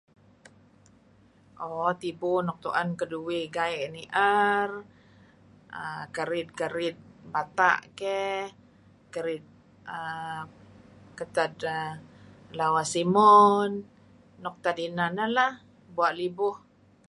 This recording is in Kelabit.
Ooh tibu nuk tu'en keduih gai' ni'er dih err kerid-kerid bata' keh, kerid nuk ketad lawa simun nuk tad ineh neh lah, bua' libuh.